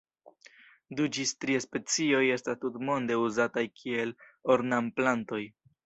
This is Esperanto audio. Du ĝis tri specioj estas tutmonde uzataj kiel ornamplantoj.